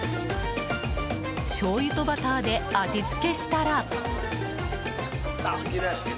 しょうゆとバターで味付けしたら。